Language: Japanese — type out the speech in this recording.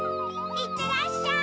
いってらっしゃい！